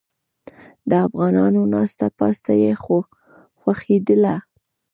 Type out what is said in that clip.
د افغانانو ناسته پاسته یې خوښیدله.